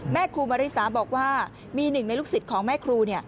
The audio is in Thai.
แม่ครูมาริสาบอกว่ามีหนึ่งในลูกศิษย์ของแม่ครู